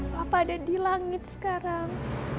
bapak ada di langit sekarang